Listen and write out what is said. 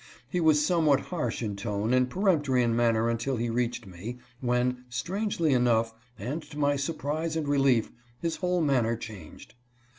He was somewhat harsh in tone and peremptory in manner until he reached me, when, strangely enough, and to my surprise and relief, his whole manner changed.